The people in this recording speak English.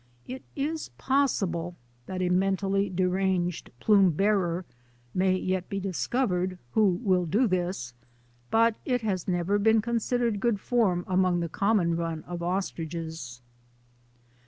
It is possible that a mentally deranged plume bearer may yet be discovered who will do this. But it has never been considered good form among the common run of ostriches.